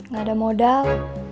gak ada modal